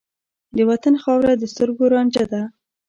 د وطن خاوره د سترګو رانجه ده.